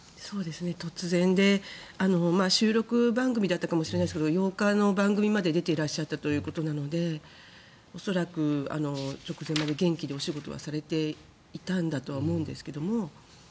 突然で、収録番組だったかもしれないですが８日の番組まで出ていらっしゃったということなので恐らく直前まで元気にお仕事はされていたんだとは思うんですけども。